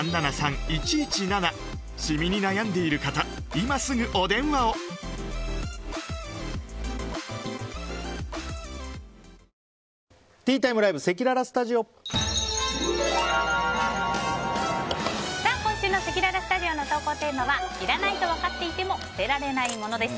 今日ご紹介した料理の詳しい作り方は今週のせきららスタジオの投稿テーマはいらないとわかっていても捨てられないものです。